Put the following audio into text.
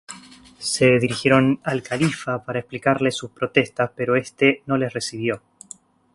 Se dirigieron al califa para explicarles sus protestas pero este no les recibió.